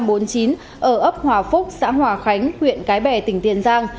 ở ấp hòa phúc xã hòa khánh huyện cái bè tỉnh tiền giang